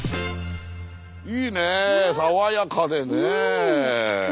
いいね爽やかでね。